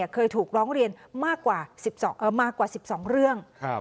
เคยถูกร้องเรียนมากกว่า๑๒เรื่อง